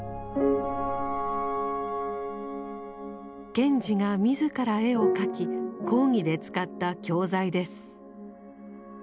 賢治が自ら絵を描き講義で使った教材です。